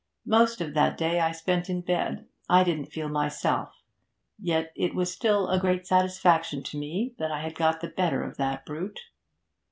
Most of that day I spent in bed; I didn't feel myself, yet it was still a great satisfaction to me that I had got the better of that brute.